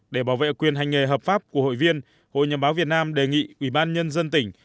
để bảo vệ quyền hành nghề hợp pháp của hội viên hội nhà báo việt nam đề nghị ủy ban nhân dân tỉnh